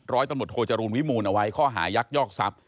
ร้อยตำรวจโทจรูลวิมูลเอาไว้ข้อหายักยอกทรัพย